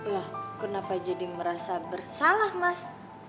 loh kenapa jadi merasa bersalah mas